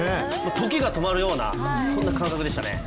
時が止まるような、そんな感覚でしたね。